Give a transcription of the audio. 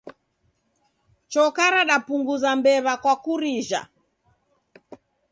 Choka radapunguza mbew'a kwa kurijha